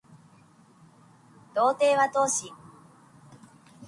道程は遠し